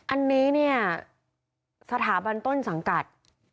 อันนี้เนี่ยสถาบันต้นสังกัด